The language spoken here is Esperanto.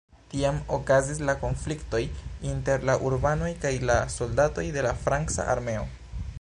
Tiam okazis la konfliktoj inter la urbanoj kaj la soldatoj de la franca armeo.